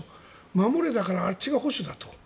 守れだから、あっちが保守だと。